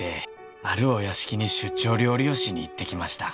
「あるお屋敷に出張料理をしに行ってきました」